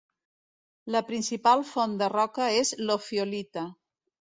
La principal font de roca és l'ofiolita.